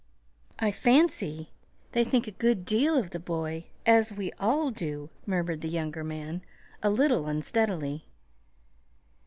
"I fancy they think a good deal of the boy as we all do," murmured the younger man, a little unsteadily.